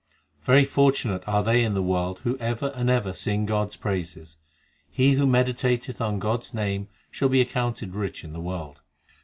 3 Very fortunate are they in the world Who ever and ever sing God s praises. He who meditateth on God s name Shall be accounted rich in the world.